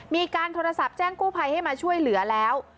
มีการโทรศัพท์แจ้งกู้ภัยให้มาช่วยเหลือแล้ว